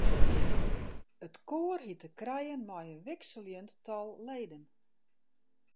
It koar hie te krijen mei in wikseljend tal leden.